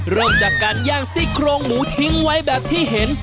เริ่มจากการย่างซี่โครงหมูทิ้งไว้แบบที่เห็น